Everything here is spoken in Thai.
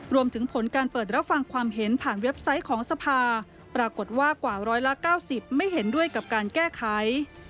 รวมถึงผลการเปิดรับฟังความเห็นผ่านเว็บไซต์ของสภาปรากฏว่ากว่าร้อยละ๙๐ไม่เห็นด้วยกับการแก้ไข